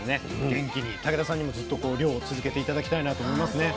元気に竹田さんにもずっと漁を続けて頂きたいなと思いますね。